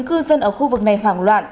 cư dân ở khu vực này hoảng loạn